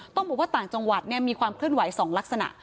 ต้องบอกว่าต่างจังหวัดมีความเคลื่อนไหว๒ลักษณะ